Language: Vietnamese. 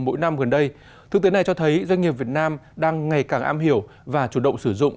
mỗi năm gần đây thực tế này cho thấy doanh nghiệp việt nam đang ngày càng am hiểu và chủ động sử dụng